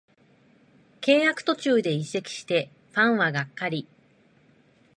契約途中で移籍してファンはがっかり